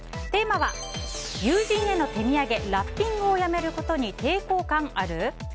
テーマは友人への手土産ラッピングをやめることに抵抗感ある？